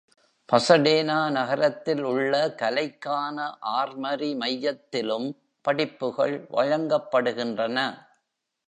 பசடேனா நகரத்தில் உள்ள கலைக்கான ஆர்மரி மையத்திலும் படிப்புகள் வழங்கப்படுகின்றன.